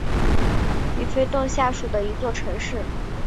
里弗顿下属的一座城市。